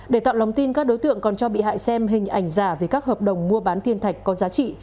để tạo lòng tin các đối tượng còn cho bị hại xem hình ảnh giả về các hợp đồng mua bán thiên thạch có giá trị